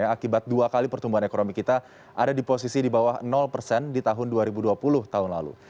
yang akibat dua kali pertumbuhan ekonomi kita ada di posisi di bawah persen di tahun dua ribu dua puluh tahun lalu